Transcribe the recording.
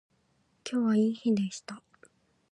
今日はいい日でした